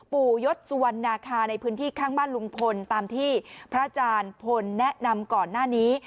ยศสุวรรณาคาในพื้นที่ข้างบ้านลุงพลตามที่พระอาจารย์พลแนะนำก่อนหน้านี้